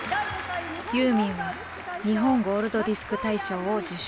ユーミンは日本ゴールドディスク大賞を受賞。